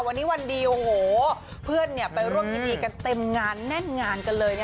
วันนี้วันดีโอ้โหเพื่อนไปร่วมยินดีกันเต็มงานแน่นงานกันเลยนะคะ